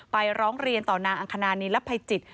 ร้องเรียนต่อนางอังคณานีรับภัยจิต